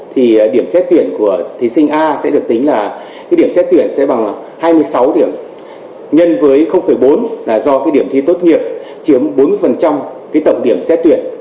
thì điểm xét tuyển của thí sinh a sẽ được tính là cái điểm xét tuyển sẽ bằng hai mươi sáu điểm nhân với bốn là do cái điểm thi tốt nghiệp chiếm bốn mươi cái tổng điểm xét tuyển